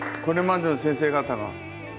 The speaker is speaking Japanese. これまでの先生方が。